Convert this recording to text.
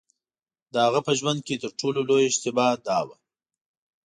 د هغه په ژوند کې تر ټولو لویه اشتباه دا وه.